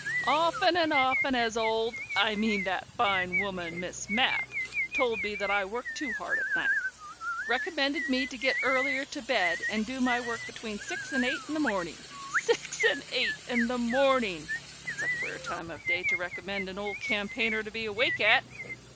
Often and often has old I mean has that fine woman, Miss Mapp, told me that I work too hard at night! Recommended me to get earlier to bed, and do my work between six and eight in the morning! Six and eight in the morning! That's a queer time of day to recommend an old campaigner to be awake at!